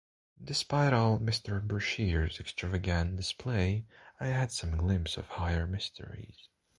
Despite all Mr Bourchier's extravagant display I had some glimpse of higher mysteries.